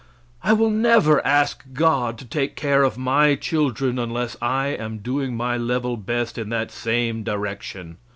I will never ask God to take care of my children unless I am doing my level best in that same direction.